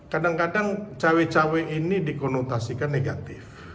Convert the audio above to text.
kadang kadang cawe cawe ini dikonotasikan negatif